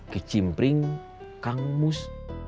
kicim pring kang mus